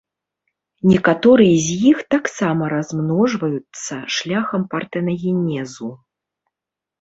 Некаторыя з іх таксама размножваюцца шляхам партэнагенезу.